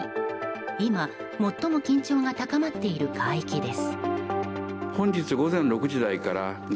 今、最も緊張が高まっている海域です。